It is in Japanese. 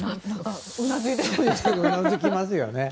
うなずきますよね。